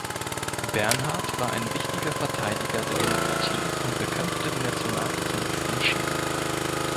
Bernhard war ein wichtiger Verteidiger der Demokratie und bekämpfte die Nationalsozialisten entschieden.